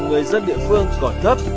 người dân địa phương còn thấp